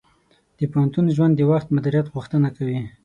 د پوهنتون ژوند د وخت مدیریت غوښتنه کوي.